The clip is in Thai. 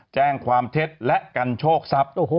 แจ้งความเท็จและกันโชคทรัพย์